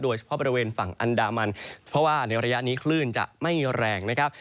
โดยเฉพาะบริเวณฝั่งอันดามันเพราะว่าในระยะนี้คลื่นจะไม่แรงนะครับ